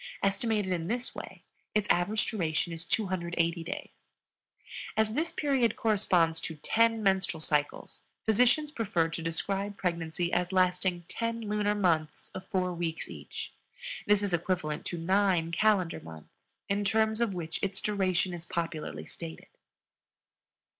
Estimated in this way its average duration is 280 days. As this period corresponds to ten menstrual cycles, physicians prefer to describe pregnancy as lasting 10 lunar months of four weeks each. This is equivalent to 9 calendar months, in terms of which its duration is popularly stated.